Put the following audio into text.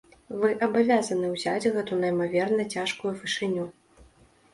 Вы абавязаны ўзяць гэту неймаверна цяжкую вышыню.